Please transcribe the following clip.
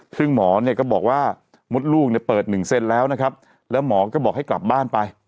ซึ่งหมอก็บอกว่ามดลูกเปิด๑เซนแล้วนะครับแล้วหมอก็บอกให้กลับบ้านไป